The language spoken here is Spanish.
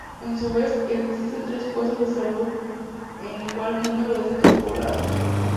A su vez, existen tres puestos de salud en igual número de centros poblados.